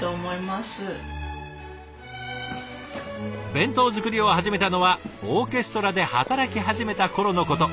弁当作りを始めたのはオーケストラで働き始めた頃のこと。